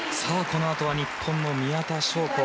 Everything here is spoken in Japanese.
このあとは日本の宮田笙子。